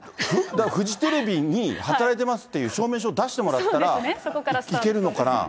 フジテレビに働いてますっていう証明書を出してもらったら、行けるのかな？